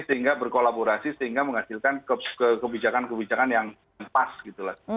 sehingga berkolaborasi sehingga menghasilkan kebijakan kebijakan yang pas gitu lah